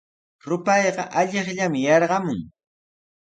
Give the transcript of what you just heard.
Rupayqa allaqllami yarqamun.